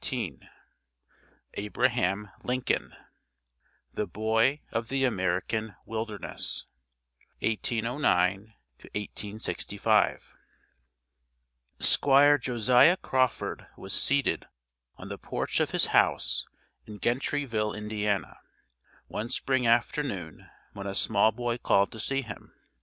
XIX Abraham Lincoln The Boy of the American Wilderness: 1809 1865 Squire Josiah Crawford was seated on the porch of his house in Gentryville, Indiana, one spring afternoon when a small boy called to see him.